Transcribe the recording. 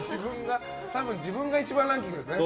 たぶん自分が１番ランキングですね。